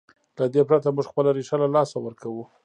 له دې پرته موږ خپله ریښه له لاسه ورکوو.